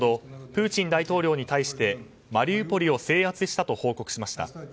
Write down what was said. プーチン大統領に対してマリウポリを制圧したと報告しました。